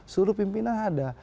suruh pimpinan ada